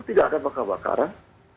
tidak ada bakar bakaran